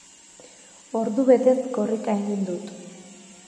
Ordu betez korrika egin dut.